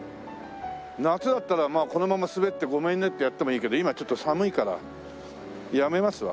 夏だったらまあこのまま滑ってごめんねってやってもいいけど今ちょっと寒いからやめますわ。